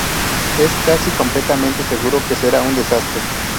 Es casi completamente seguro que será un desastre.